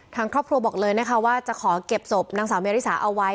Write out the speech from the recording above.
ทางครอบครัวบอกเลยนะคะว่าจะขอเก็บศพนางสาวเมริสาเอาไว้